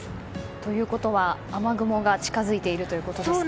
ということは雨雲が近づいているということですか。